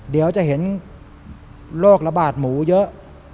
เดี๋ยวจะเห็นโรคระบาดหมูเยอะ